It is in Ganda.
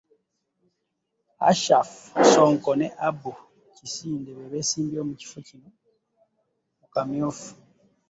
Ashraf Ssonko ne Abu Kisinde be beesimbyewo ku kifo kino mu kamyufu